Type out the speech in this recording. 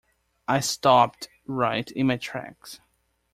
I stopped right in my tracks.